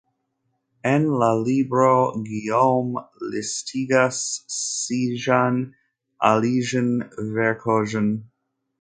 En la libro, Guillaume listigas siajn aliajn verkojn.